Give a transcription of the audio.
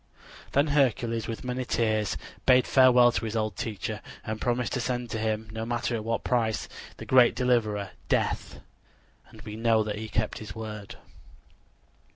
Then Hercules with many tears bade farewell to his old teacher and promised to send to him, no matter at what price, the great deliverer, Death. And we know that he kept his word.